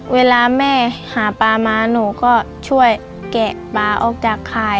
เวลาแม่หาปลามาหนูก็ช่วยแกะปลาออกจากข่าย